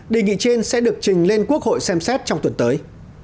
đề nghị trên sẽ được trình lên quốc hội xem xét trong tuần tới